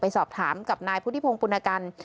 สอบถามกับนายพุทธิพงศ์ปุณกัน